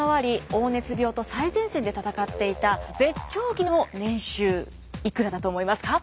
黄熱病と最前線で闘っていた絶頂期の年収いくらだと思いますか？